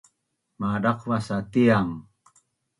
Madaqvas sa Tiang